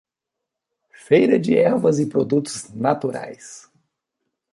Feira de Ervas e Produtos Naturais.